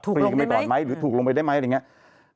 ถูกลงได้ไหมหรือถูกลงไปได้ไหมอะไรอย่างนี้